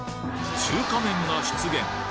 中華麺が出現！